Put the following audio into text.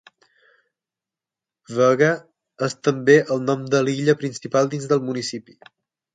Vega és també el nom de l'illa principal dins del municipi.